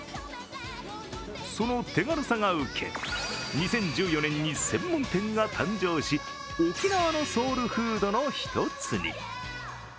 その手軽さが受け２０１４年に専門店が誕生し沖縄のソウルフードの一つに。